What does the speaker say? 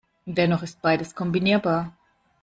Dennoch ist beides kombinierbar.